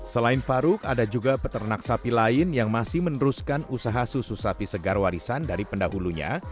selain faruk ada juga peternak sapi lain yang masih meneruskan usaha susu sapi segar warisan dari pendahulunya